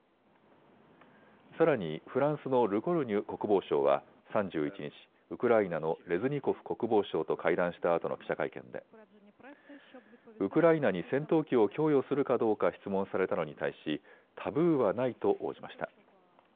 さらにフランスのルコルニュ国防相は３１日、ウクライナのレズニコフ国防相と会談したあとの記者会見でウクライナに戦闘機を供与するかどうか質問されたのに対しタブーはないと応じました。